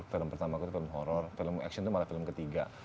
film pertama aku film horror film action itu malah film ketiga